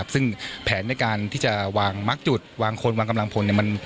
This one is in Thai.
ซึ่งแผนในการที่จะวางมักจุดวางคนวางกำลังพล